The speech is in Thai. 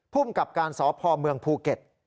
ภูมิกับการสพเมืองภูเก็ต